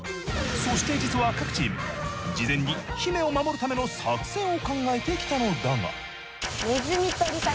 そして実は各チーム事前に姫を守るための作戦を考えてきたのだが。